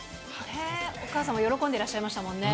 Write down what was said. お母さんも喜んでらっしゃいましたもんね。